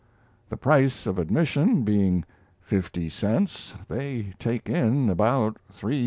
The price of admission being 50 cents, they take in about $3,000.